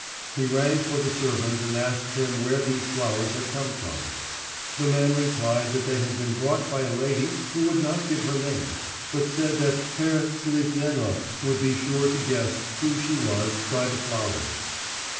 He rang for the servant and asked him where these flowers had come from. The man replied that they had been brought by a lady who would not give her name, but said that 'Herr Zlitenhov' would be sure to guess who she was by the flowers.